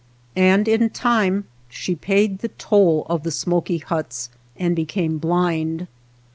And in time she paid the toll of the smoky huts and became 'blind.